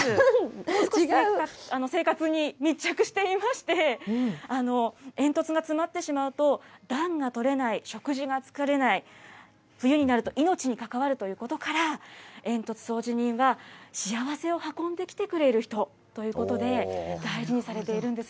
もう少し、生活に密着していまして、煙突が詰まってしまうと、暖がとれない、食事が作れない、冬になると命に関わるということから、煙突掃除人は、幸せを運んできてくれる人ということで、大事にされているんです